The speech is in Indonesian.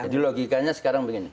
jadi logikanya sekarang begini